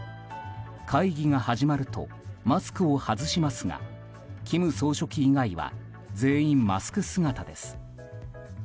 会議が始まるとマスクを外しますが金総書記以外は全員マスク姿です。